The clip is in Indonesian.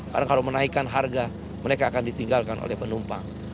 karena kalau menaikkan harga mereka akan ditinggalkan oleh penumpang